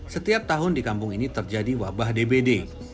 setiap tahun di kampung ini terjadi wabah dbd